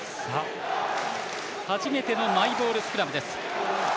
初めてのマイボールスクラムです。